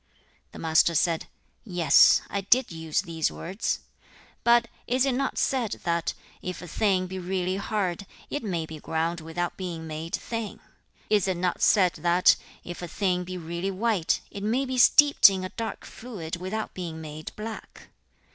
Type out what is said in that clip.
3. The Master said, 'Yes, I did use these words. But is it not said, that, if a thing be really hard, it may be ground without being made thin? Is it not said, that, if a thing be really white, it may be steeped in a dark fluid without being made black?